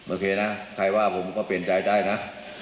โอเคนะใครว่าผมก็เปลี่ยนใจได้นะ